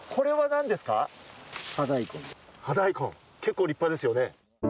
結構立派ですよね。